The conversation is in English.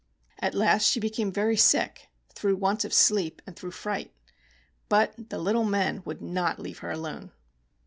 At last she be came very sick, through want of sleep and through fright. But the little men would not leave her alone.